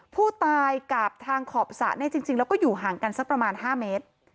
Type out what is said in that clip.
ผู้ตายกับทางขอบสระเนี่ยจริงแล้วก็อยู่ห่างกันสักประมาณ๕เมตร